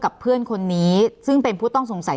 เพื่อนคนนี้ซึ่งเป็นผู้ต้องสงสัย